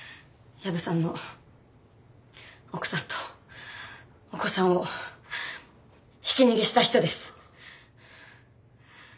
薮さんの奥さんとお子さんをひき逃げした人です。